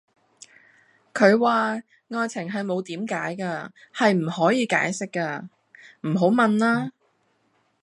佢話:愛情係冇點解架,係唔可以解釋架,唔好問啦